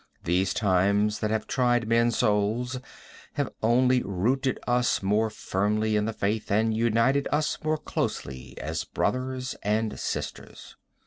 These times that have tried men's souls have only rooted us more firmly in the faith, and united us more closely as brothers and sisters.